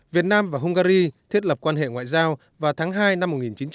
việt nam và hungary thiết lập quan hệ ngoại giao vào tháng hai năm một nghìn chín trăm bảy mươi